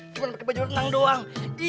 cuman pake baju renang doang